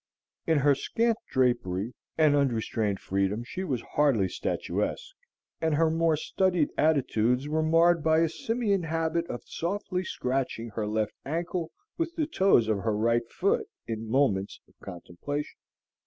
In her scant drapery and unrestrained freedom she was hardly statuesque, and her more unstudied attitudes were marred by a simian habit of softly scratching her left ankle with the toes of her right foot, in moments of contemplation.